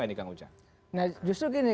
ini kang ujang nah justru gini